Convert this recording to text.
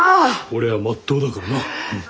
俺はまっとうだからなうん。